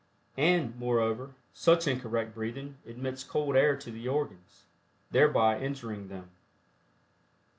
And, moreover, such incorrect breathing admits cold air to the organs, thereby injuring them.